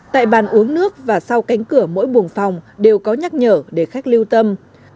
tại bàn uống nước và sau cánh cửa mỗi buồng phòng đều có nhắc nhở để khách lưu tâm